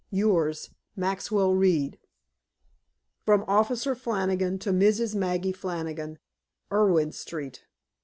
Yours, Maxwell Reed FROM OFFICER FLANNIGAN TO MRS. MAGGIE FLANNIGAN, ERIN STREET.